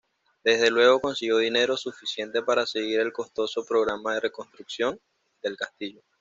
Desde luego consiguió dinero suficiente para seguir el costoso programa de reconstrucción del castillo.